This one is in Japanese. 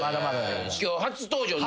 今日初登場の。